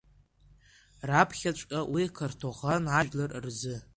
Раԥхьаҵәҟьа уи картоӷан ажәлар рзы.